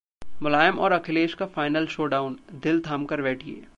मुलायम और अखिलेश का final showdown: दिल थाम कर बैठिए